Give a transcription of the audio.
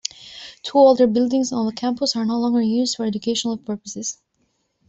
Two older buildings on the campus are no longer used for educational purposes.